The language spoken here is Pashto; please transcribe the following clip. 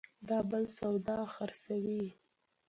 دا بل سودا خرڅوي